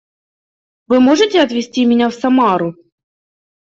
Вы можете отвезти меня в Самару?